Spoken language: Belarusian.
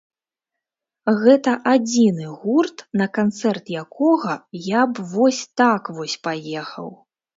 Гэта адзіны гурт, на канцэрт якога я б вось так вось паехаў.